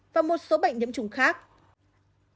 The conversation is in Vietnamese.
và một số bệnh nhiễm trùng khác